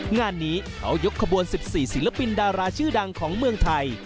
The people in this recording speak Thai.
งานนี้เขายกขบวน๑๔ศิลปินดาราชื่อดังของเมืองไทย